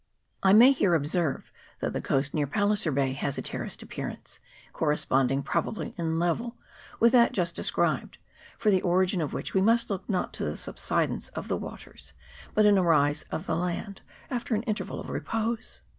I may here observe that the coast near Palliser Bay has a terraced appearance, corresponding pro bably in level with that just described, for the origin CHAP. III.J ERITONGA VALLEY. 79 of which we must look not in the subsidence of the waters, but in a rise of the land after an interval of repose.